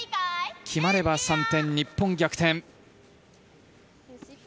決まれば３点日本逆転。